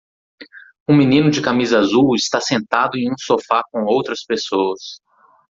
Um menino de camisa azul está sentado em um sofá com outras pessoas.